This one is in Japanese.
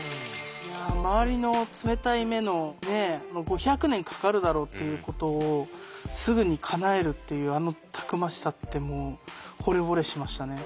周りの冷たい目の５００年かかるだろうっていうことをすぐにかなえるっていうあのたくましさってもうほれぼれしましたね。